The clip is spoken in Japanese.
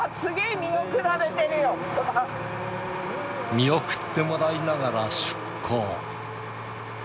見送ってもらいながら出港。